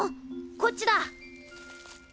こっちだ。